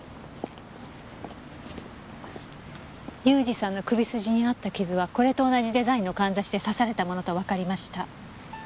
雄二さんの首筋にあった傷はこれと同じデザインのかんざしで刺されたものとわかりました。